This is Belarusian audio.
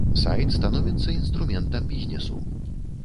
Сайт становіцца інструментам бізнесу.